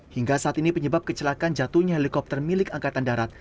hingga saat ini penyebab kecelakaan jatuhnya helikopter milik angkatan darat